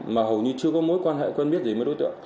mà hầu như chưa có mối quan hệ quen biết gì với đối tượng